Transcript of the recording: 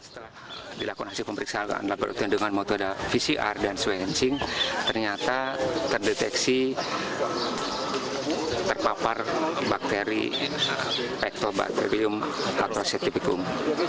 setelah dilakukan hasil pemeriksaan dengan motoda pcr dan swancing ternyata terdeteksi terpapar bakteri pectobacterium astrosepticum